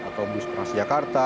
atau bus transjakarta